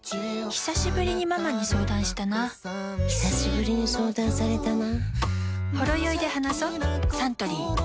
ひさしぶりにママに相談したなひさしぶりに相談されたな